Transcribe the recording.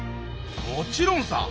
もちろんさ。